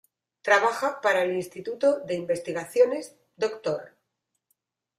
Trabaja para el Instituto de Investigaciones Dr.